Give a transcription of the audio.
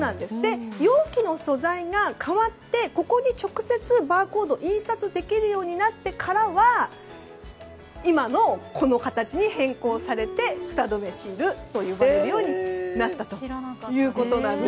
容器の素材が変わってここに直接バーコードを印刷できるようになってからは今の、この形に変更されてフタ止めシールと呼ばれるようになったということです。